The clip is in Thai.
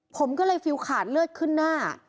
ผมก็เลยฟิลขาดเลือดขึ้นหน้า